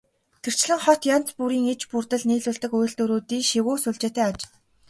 Тэрчлэн хот янз бүрийн иж бүрдэл нийлүүлдэг үйлдвэрүүдийн шигүү сүлжээтэй аж.